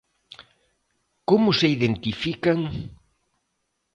Como se identifican?